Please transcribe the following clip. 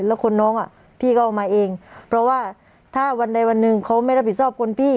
แล้วคนน้องอ่ะพี่ก็เอามาเองเพราะว่าถ้าวันใดวันหนึ่งเขาไม่รับผิดชอบคนพี่